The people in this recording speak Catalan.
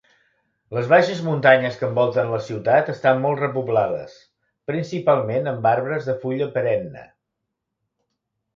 Les baixes muntanyes que envolten la ciutat estan molt repoblades, principalment amb arbres de fulla perenne.